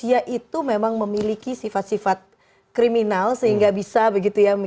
apakah manusia itu memang memiliki sifat sifat kriminal sehingga bisa begitu ya